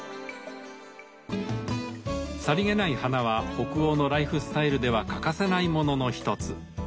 さりげない花は北欧のライフスタイルでは欠かせないものの一つ。